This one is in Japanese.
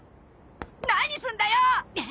何するんだよ！